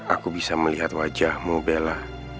aku bisa melihat wajahmu bella